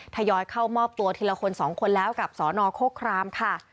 ทยอยเข้ามอบตัวทีละคน๒คนแล้วกับสนโคครามค่ะ